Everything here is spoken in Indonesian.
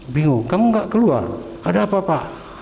bingung kamu gak keluar ada apa apa